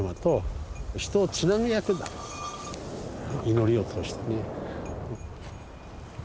祈りを通してね。